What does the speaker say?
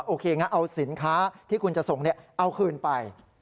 โอเคงั้นเอาสินค้าที่คุณจะส่งเอาคืนไป